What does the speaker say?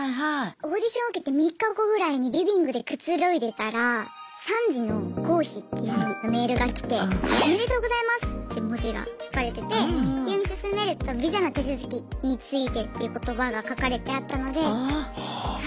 オーディション受けて３日後ぐらいにリビングでくつろいでたら「３次の合否」っていうメールが来て「おめでとうございます」って文字が書かれててで読み進めると「ビザの手続きについて」っていう言葉が書かれてあったのでは